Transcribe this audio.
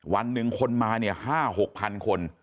วันหนึ่งคนมาเนี่ย๕๖๐๐๐คน